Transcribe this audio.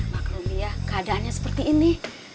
makrobia keadaannya seperti ini